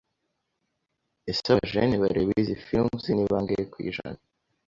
Ese aba jeunes bareba izi films ni bangahe ku ijana